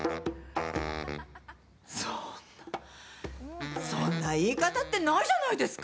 そんなそんな言い方ってないじゃないですか。